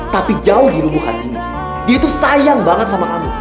tapi jauh di lubuhan ini dia tuh sayang banget sama kamu